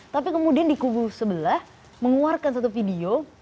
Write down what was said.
tapi kemudian di kubu sebelah mengeluarkan satu video